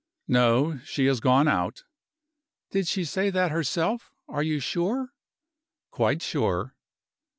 "No she has gone out." "Did she say that herself? Are you sure?" "Quite sure."